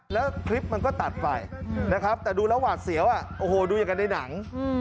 แล้วคลิปมันก็ตัดไปนะครับแต่ดูแล้วหวาดเสียวโอ้โหดูอย่างกันในหนัง